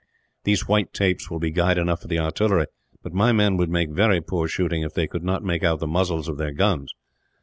These white tapes will be guide enough for the artillery; but my men would make very poor shooting, if they could not make out the muzzles of their guns.